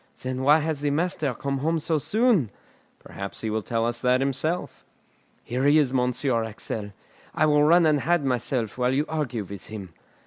"Then why has the master come home so soon?" "Perhaps he will tell us that himself." "Here he is, Monsieur Axel; I will run and hide myself while you argue with him."